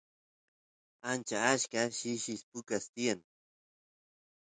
ancha achka shishi pukas tiyan